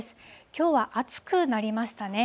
きょうは暑くなりましたね。